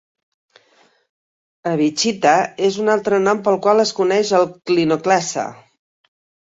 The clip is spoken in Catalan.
Abichita és un altre nom pel qual es coneix el clinoclasa.